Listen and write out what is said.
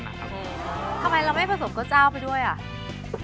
อืมทำไมเราไม่ผสมก็จะเอาไปด้วยอ่ะ